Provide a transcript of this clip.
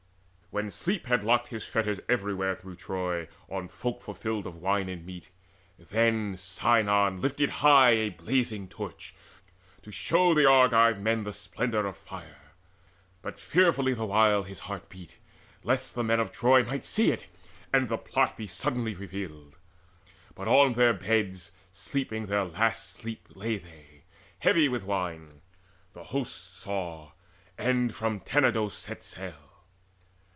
When sleep had locked his fetters everywhere Through Troy on folk fulfilled of wine and meat, Then Sinon lifted high a blazing torch To show the Argive men the splendour of fire. But fearfully the while his heart beat, lest The men of Troy might see it, and the plot Be suddenly revealed. But on their beds Sleeping their last sleep lay they, heavy with wine. The host saw, and from Tenedos set sail.